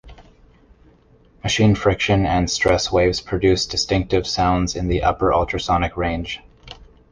Machine friction and stress waves produce distinctive sounds in the upper ultrasonic range.